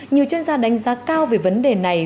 nhiều chuyên gia đánh giá cao về vấn đề này